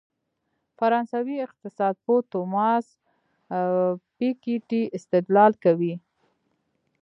فرانسوي اقتصادپوه توماس پيکيټي استدلال کوي.